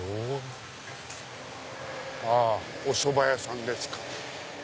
あおそば屋さんですか。